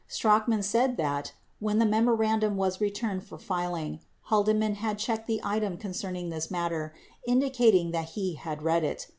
Strachan said that, when the memorandum was returned for filing, Haldeman had checked the item concerning this matter, indi cating he had read it.